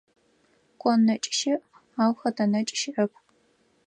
Кон нэкӀ щыӀ, ау хэтэ нэкӀ щыӀэп.